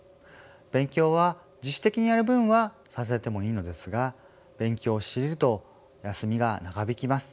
勉強は自主的にやる分はさせてもいいのですが勉強を強いると休みが長引きます。